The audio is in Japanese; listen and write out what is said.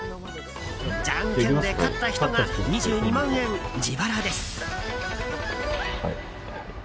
じゃんけんで勝った人が２２万円、自腹です。